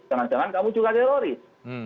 jangan jangan kamu juga teroris